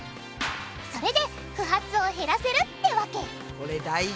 それで不発を減らせるってわけこれ大事！